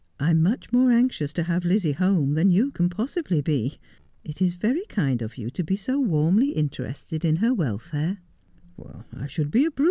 ' I am much more anxious to have Lizzie home than you can possibly be. It is very kind of you to be so warmly interested in her welfare.'